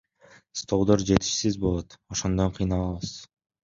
Столдор жетишсиз болот, ошондон кыйналабыз.